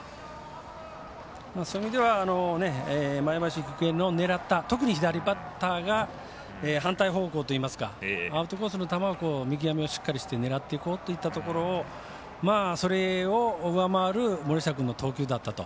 そういう意味では前橋育英の狙った特に左バッターが反対方向といいますかアウトコースの球を見極めをしっかりして狙っていこうといったところをそれを上回る森下君の投球だったと。